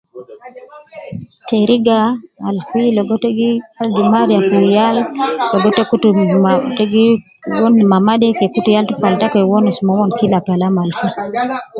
Teriga al fi logo te gi adul mariya fi yal, logo ta kutu ma, te gi won mama de ke kutu yal de falta koo wonus momon kila kalam al fi